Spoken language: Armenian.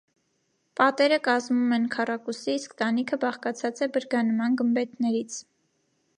Պատերը կազմում են քառակուսի, իսկ տանիքը բաղկացած է բրգանման գմբեթներից։